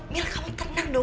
mil kamu tenang dong